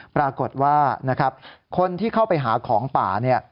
ปรากฏว่าคนที่เข้าไปหาของป่า